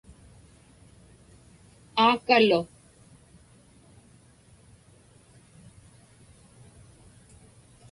aakalu